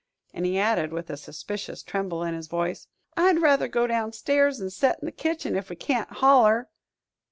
And he added, with a suspicious tremble in his voice, "I'd rather go downstairs an' set in the kitchen, if we can't holler."